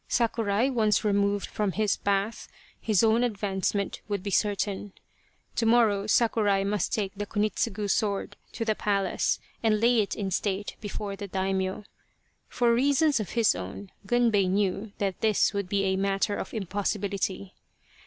Sakurai once removed from his path, his own advancement would be certain. To morrow Sakurai must take the Kunitsugu sword to the palace and lay it in state before the Daimio. For reasons of his own Gunbei knew that this would be a matter of impossibility.